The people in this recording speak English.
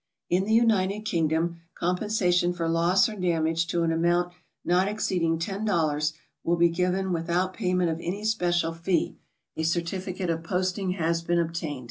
In the United Kingdom compensation for loss or damage to an amount not exceeding $10 will be given without payment of any speciail fee, if a certificate of poiating has been obtained.